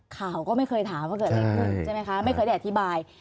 ข่าวก็ไม่เคยถามว่าเกิดอะไรขึ้นใช่ไหมคะไม่เคยได้อธิบาย